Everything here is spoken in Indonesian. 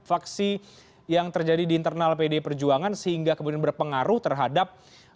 faksi yang terjadi di internal pdi perjuangan sehingga kemudian berpengaruh terhadap